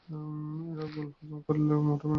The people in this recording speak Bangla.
এরা গোল হজম করলেই হয়ে ওঠে ভয়ংকর